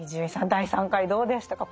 第３回どうでしたか？